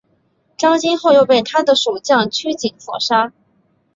张津后又被他的属将区景所杀。